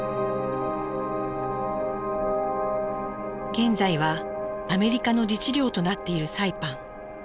現在はアメリカの自治領となっているサイパン。